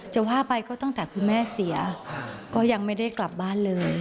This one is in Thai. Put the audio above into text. จะว่าไปก็ตั้งแต่คุณแม่เสียก็ยังไม่ได้กลับบ้านเลย